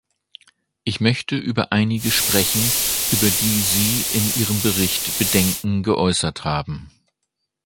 Ich möchte über einige sprechen, über die Sie in Ihrem Bericht Bedenken geäußert haben.